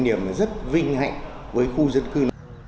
một cái niềm rất vinh hạnh với khu dân cư